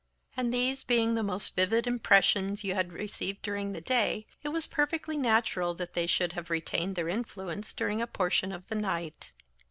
And these being the most vivid impression you had received during the day, it was perfectly natural that they should have retained their influence during a portion of the night."